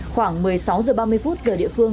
khoảng một mươi sáu h ba mươi giờ địa phương